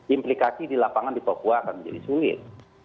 implikasi di lapangan di papua akan menjadi sulit